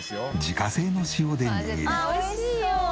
自家製の塩で握り。